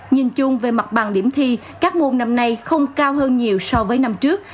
nhìn chung về mặt bằng điểm thi các môn năm nay không cao hơn nhiều so với năm trước